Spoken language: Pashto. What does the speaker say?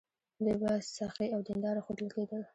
دوی به سخي او دینداره ښودل کېدل.